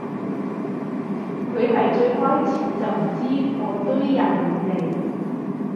佢係最開始就知嗰堆人嚟